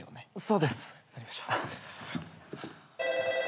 そうです。